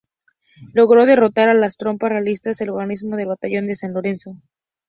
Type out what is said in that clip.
Logró derrotar a las tropas realistas al organizar el batallón de San Lorenzo.